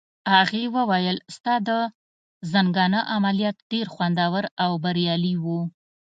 هغې وویل: ستا د زنګانه عملیات ډېر خوندور او بریالي وو.